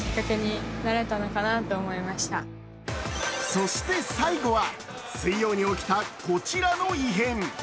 そして最後は、水曜に起きたこちらの異変。